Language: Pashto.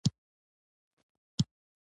د مؤمن نیت تل د خیر لپاره وي.